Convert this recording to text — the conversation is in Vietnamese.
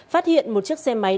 phát hiện một chiếc xe máy